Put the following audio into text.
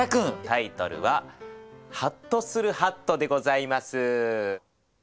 タイトルは「ハッとするハット」でございます。